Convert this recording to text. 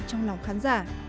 trong lòng khán giả